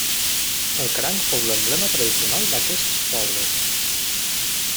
El cranc fou l'emblema tradicional d'aquests pobles.